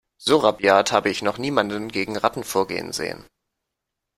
So rabiat habe ich noch niemanden gegen Ratten vorgehen sehen.